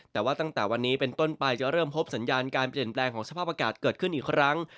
แต่ว่าตั้งแต่วันนี้เป็นต้นไปจะเริ่มพบสัญญาณการเปลี่ยนแปลงของสภาพอากาศเกิดขึ้นอีกครั้ง